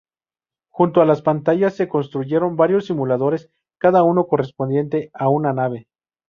Junto a las pantallas, se construyeron varios simuladores, cada uno correspondiente a una nave.